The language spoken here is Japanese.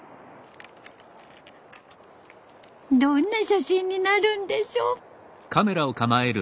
どんな写真になるんでしょ？